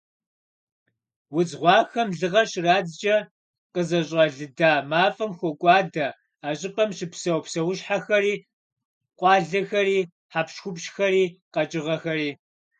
Удз гъуахэм лыгъэ щрадзкӀэ, къызэщӀэлыда мафӀэм хокӀуадэ а щӀыпӀэм щыпсэу псэущхьэхэри, къуалэхэри, хьэпщхупщхэри, къэкӏыгъэхэри.